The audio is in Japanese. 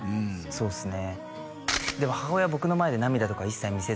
そうですね